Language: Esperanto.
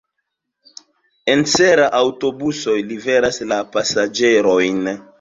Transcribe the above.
En Serra aŭtobusoj liveras la pasaĝerojn.